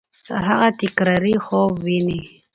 هغه تکراري خوب ویني.